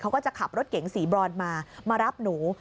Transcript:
เขาก็จะขับรถเก๋งสีบรอนมามารับหนู